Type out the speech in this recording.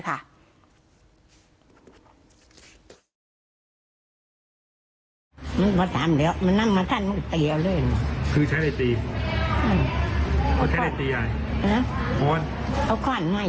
ตัวไหนไหมตีถืกในก้อนที่แหล่งเอาไปทุกวัน